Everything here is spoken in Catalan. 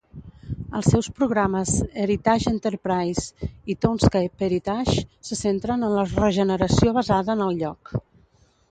Els seus programes Heritage Enterprise i Townscape Heritage se centren en la regeneració basada en el lloc.